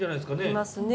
いますね。